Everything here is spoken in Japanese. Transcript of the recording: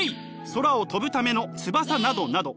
空を飛ぶための翼などなど。